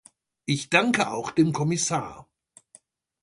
Ich danke auch dem Kommissar.